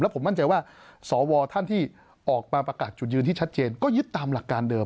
ผมมั่นใจว่าสวท่านที่ออกมาประกาศจุดยืนที่ชัดเจนก็ยึดตามหลักการเดิม